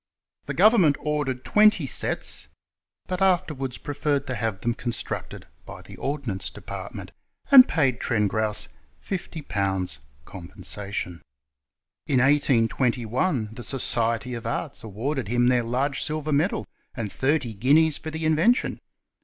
* The government ordered twenty sets, but afterwards preferred to have them constructod by the ordnance department, and paid Trengrouse 50/. compensation. In 1821 the Society of Arts awarded him their large silver medal and thirty guineas for the invention.